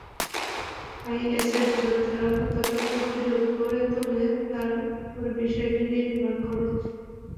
আইএসের যোদ্ধারা কতটা প্রতিরোধ গড়ে তোলে, তার ওপরই বিষয়টি নির্ভর করছে।